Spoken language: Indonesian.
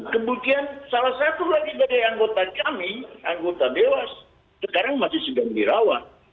kemudian salah satu lagi dari anggota kami anggota dewas sekarang masih sedang dirawat